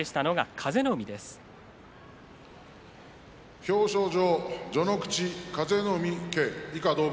表彰状序ノ口風の湖競以下同文。